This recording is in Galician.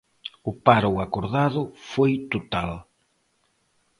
O paro acordado foi total.